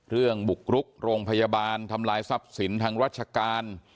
บุกรุกโรงพยาบาลทำลายทรัพย์สินทางราชการ